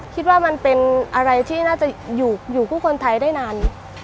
คิดว่ามันเป็นอะไรที่น่าจะอยู่คู่คนไทยได้นาน